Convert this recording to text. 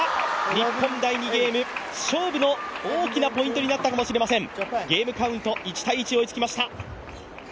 日本第２ゲーム勝負の大きなポイントになったかもしれません。